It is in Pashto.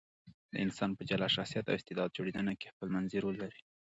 د انسان په جلا شخصیت او استعداد جوړېدنه کې خپلمنځي رول لري.